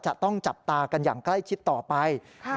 จะต้องจับตากันอย่างใกล้ชิดต่อไป